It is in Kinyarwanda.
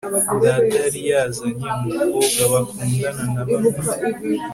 data yari yazanye umukobwa bakundana na bamwe